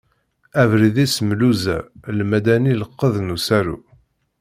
Abrid-is Mluza, Lmadani lqedd n usaru.